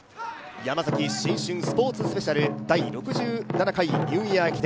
ヤマザキ新春スポーツスペシャル・第６７回ニューイヤー駅伝。